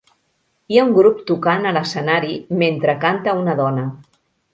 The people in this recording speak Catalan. Hi ha un grup tocant a l'escenari mentre canta una dona.